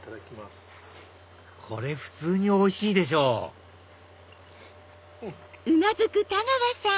これ普通においしいでしょうん。